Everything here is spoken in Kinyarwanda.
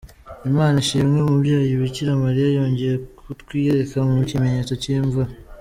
Imana ishimwe Umubyeyi Bikira Mariya yongeye kutwiyereka mu kimenyetso cy’imvura.